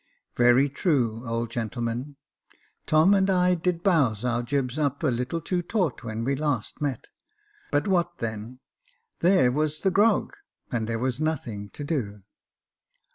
" Very true, old gentleman ; Tom and I did bowse our jibs up a little too taut when we last met— but what then ?— there was the grog, and there was nothing to do."